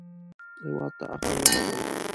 هېواد ته عقل ورکړئ